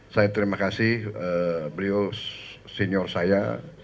saya terima kasih beliau senior saya